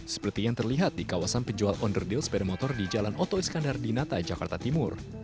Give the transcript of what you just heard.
seperti yang terlihat di kawasan penjual onderdeal sepeda motor di jalan oto iskandar di nata jakarta timur